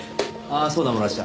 ああそうだ村下。